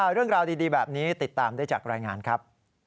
เรื่องราวดีแบบนี้ติดตามได้จากรายงานครับ